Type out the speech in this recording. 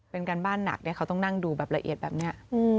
เป็นการบ้านหนักเนี่ยเขาต้องนั่งดูแบบละเอียดแบบนี้